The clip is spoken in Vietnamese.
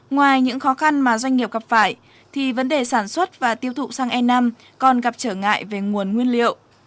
ngoài những khó khăn mà doanh nghiệp gặp phải thì vấn đề sản xuất và tiêu thụ xăng e năm còn gặp trở ngại về nguồn nguyên liệu